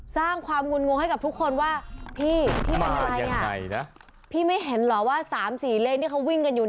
สร้างความงุ่นงงให้กับทุกคนว่าพี่พี่เป็นอะไรอ่ะพี่ไม่เห็นเหรอว่าสามสี่เลขที่เขาวิ่งกันอยู่